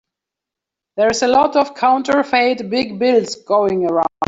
There's a lot of counterfeit big bills going around.